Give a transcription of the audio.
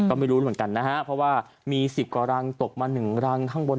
ก็ไม่รู้เหมือนกันนะฮะเพราะว่ามี๑๐กว่ารังตกมา๑รังข้างบน